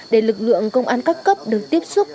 để lực lượng công an các cấp được tiếp xúc